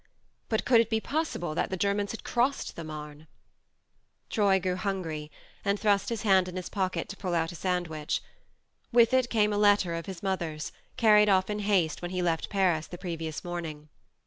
But could it be possible that the Germans had crossed the Marne ? Troy grew hungry, and thrust his hand in his pocket to pull out a sand wich. With it came a letter of his mother's, carried off in haste when he left Paris the previous morning.